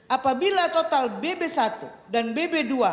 apabila total bb satu dan bb dua